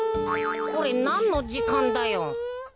これなんのじかんだよ？